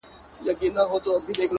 ښه فکرونه ښه عادتونه جوړوي